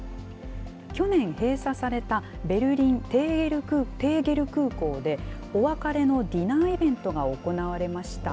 去年閉鎖された、ベルリン・テーゲル空港で、お別れのディナーイベントが行われました。